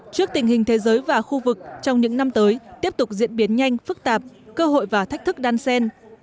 trước tình hình thế giới và khu vực trong những năm tới tiếp tục diễn biến nhanh phức tạp cơ hội và thách thức đan sen